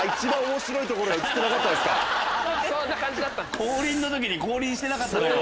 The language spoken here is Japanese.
「降臨！」の時に降臨してなかったのよ。